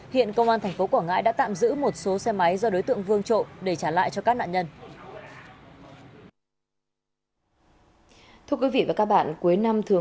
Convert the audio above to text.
hiện công an thành phố quảng ngãi đã tạm giữ một số xe máy do đối tượng vương trộm để trả lại cho các nạn nhân